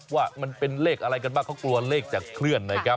ว่ามันเป็นเลขอะไรกันบ้างเขากลัวเลขจะเคลื่อนนะครับ